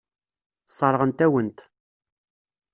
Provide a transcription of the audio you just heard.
Sseṛɣent-awen-t.